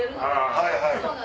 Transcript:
はいはい。